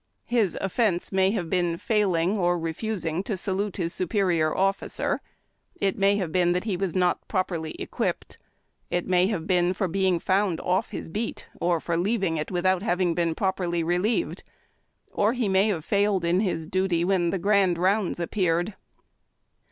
His offence may have been failing or refusing to salute his superior officer. It may have been that he was not properly equipped. It may have been for being found off his beat, or for leaving it without having been properly relieved; or he may liave failed in his duty when the " Grand Rounds " appeared.